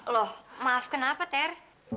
loh maaf kenapa ter